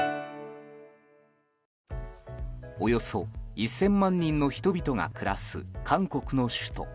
およそ１０００万人の人々が暮らす韓国の首都。